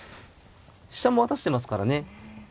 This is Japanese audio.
飛車も渡してますからね。